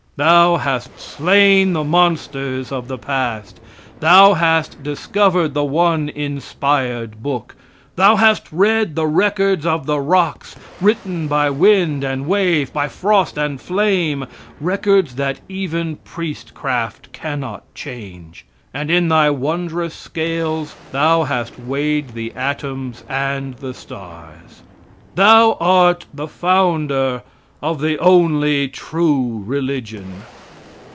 Thou hast slain the monsters of the past. Thou hast discovered the one inspired book. Thou hast read the records of the rocks, written by wind and wave, by frost and flame records that even priestcraft cannot change and in thy wondrous scales thou hast weighed the atoms and the stars. Thou art the founder of the only true religion.